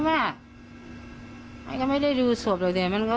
บอกว่าถ้าติดกล้องจนติดไว้หน้าบ้านแล้วหากว่าใครมาบอกว่า